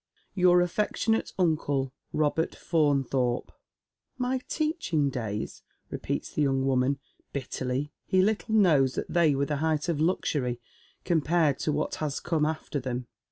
" Youi" affectionate Uncle, " KOBEBT FaUNTHORPE." "My teaching days," repeats the young woman, bitterly. " He little knows that they were the height of luxury compared ff\ what has come after them."